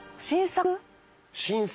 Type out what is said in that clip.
新作。